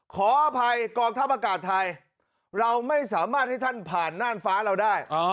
ขออภัยกองทัพอากาศไทยเราไม่สามารถให้ท่านผ่านน่านฟ้าเราได้